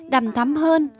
đầm thắm hơn